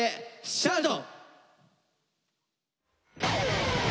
「シャウト」。